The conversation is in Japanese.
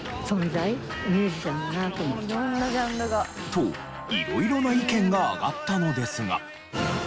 と色々な意見が挙がったのですが。